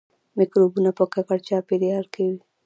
مکروبونه په ککړ چاپیریال کې وي